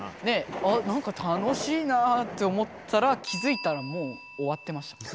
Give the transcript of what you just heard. であなんか楽しいなって思ったら気づいたらもう終わってました。